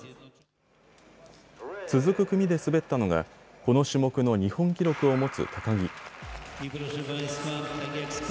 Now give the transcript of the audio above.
続く組で滑ったのがこの種目の日本記録を持つ高木。